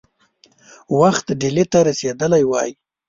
وخت ډهلي ته رسېدلی وای.